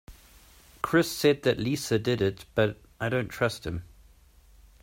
Chris said that Lisa did it but I dont trust him.